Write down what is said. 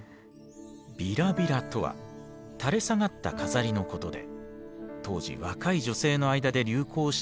びらびらとは垂れ下がった飾りのことで当時若い女性の間で流行した形だそう。